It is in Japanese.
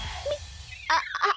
あっああ。